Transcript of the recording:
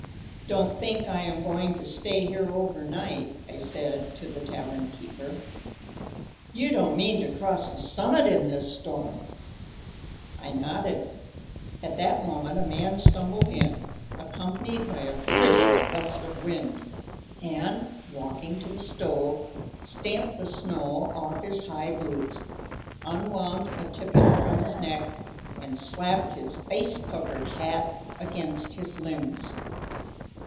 "Don't think I am going to stay here over night," I said to the tavern keeper. "You don't mean to cross the summit in this storm!" I nodded. At that moment a man stumbled in, accompanied by a frigid gust of wind, and, walking to the stove, stamped the snow off his high boots, unwound a tippet from his neck, and slapped his ice covered hat against his limbs.